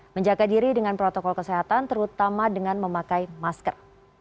menjaga diri dengan protokol kesehatan terutama dengan memakai masker